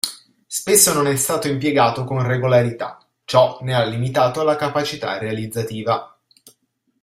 Spesso non è stato impiegato con regolarità; ciò ne ha limitato la capacità realizzativa.